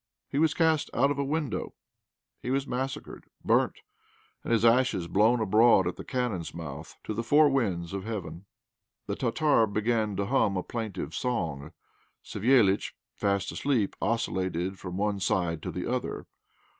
He was cast out of a window, he was massacred, burnt, and his ashes blown abroad at the cannon's mouth, to the four winds of heaven." The Tartar began to hum a plaintive song; Savéliitch, fast asleep, oscillated from one side to the other.